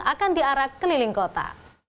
akan diarak keliling kota